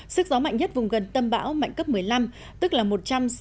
sức gió mạnh nhất vùng gần tâm bão